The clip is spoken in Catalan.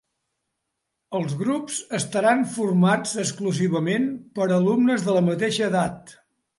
Els grups estaran formats exclusivament per alumnes de la mateixa edat.